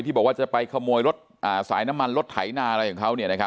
บอกว่าจะไปขโมยรถสายน้ำมันรถไถนาอะไรของเขา